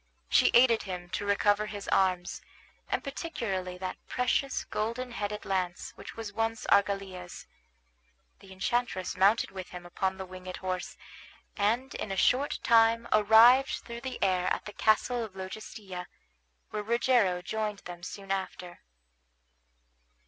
She aided him to recover his arms, and particularly that precious golden headed lance which once was Argalia's. The enchantress mounted with him upon the winged horse, and in a short time arrived through the air at the castle of Logestilla, where Rogero joined them soon after.